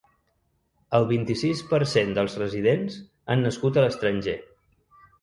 El vint-i-sis per cent dels residents han nascut a l’estranger.